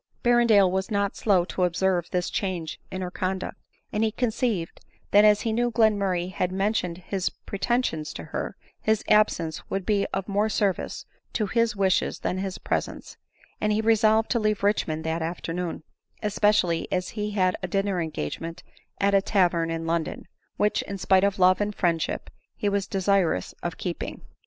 Berrendale was not slow to observe this change in her conduct ; and he conceived, that as he knew Glenmurray had mention ed his pretensions to her, his absence would be of more service to his wishes than his presence ; and he resolved to leave Richmond that afternoon— especially as he had a dinner engagement at a tavern in London, which, in spite of love and friendship, he was desirous of keeping.